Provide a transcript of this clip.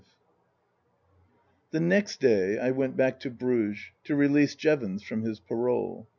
THE next day I went back to Bruges to release Jevons from his parole.